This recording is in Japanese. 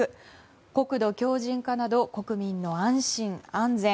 国土強靭化など国民の安心・安全。